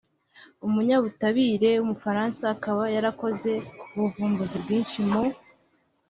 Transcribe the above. umunyabutabire w’umufaransa akaba yarakoze ubuvumbuzi bwinshi mu